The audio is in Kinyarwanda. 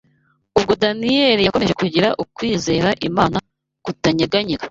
Ubwo Daniyeli yakomeje kugira kwizera Imana kutanyeganyega